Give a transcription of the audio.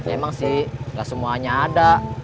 emang sih gak semuanya ada